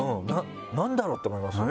何だろう？って思いますよね。